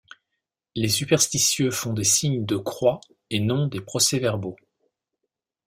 Les superstitieux font des signes de croix et non des procès-verbaux.